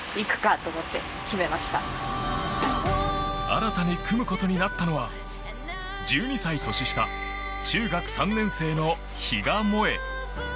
新たに組むことになったのは１２歳年下中学３年生の比嘉もえ。